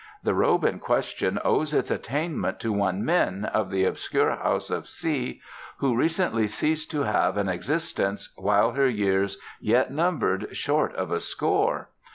The robe in question owes its attainment to one Min, of the obscure house of Hsi, who recently ceased to have an existence while her years yet numbered short of a score.